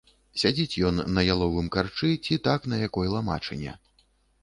Сядзіць ён на яловым карчы ці так на якой ламачыне.